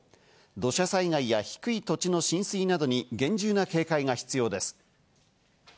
土砂災害や低い土地の浸水などに厳重な警戒が必要です。